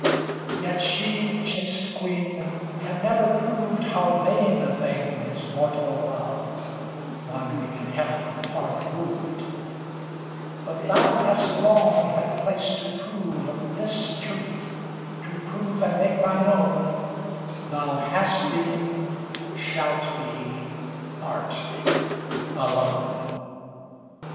Yet she, chaste queen, had never proved How vain a thing is mortal love, Wandering in Heaven, far removed; But thou hast long had place to prove This truth to prove, and make thine own: "Thou hast been, shalt be, art, alone."